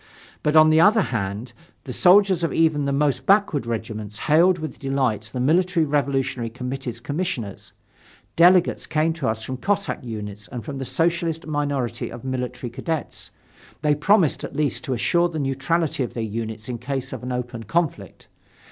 But, on the other hand, the soldiers of even the most backward regiments hailed with delight the Military Revolutionary Committee's commissioners. Delegates came to us from Cossack units and from the Socialist minority of military cadets. They promised at least to assure the neutrality of their units in case of open conflict.